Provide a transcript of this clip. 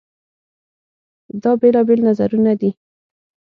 دا بېلابېل نظرونه دي.